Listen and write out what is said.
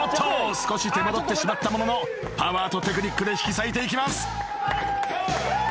少し手間取ってしまったもののパワーとテクニックで引き裂いていきます］